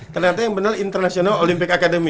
ternyata yang benar international olympic academy